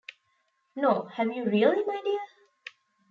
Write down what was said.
No; have you really, my dear?